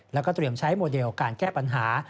แล้วก็เตรียมใช้โมเดลการแก้ปัญหา